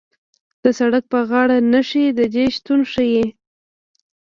د سړک په غاړه نښې د دې شتون ښیي